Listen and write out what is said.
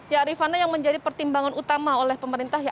ya rifana yang menjadi pertimbangan utama oleh pemerintah